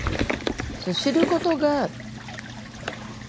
知ることがで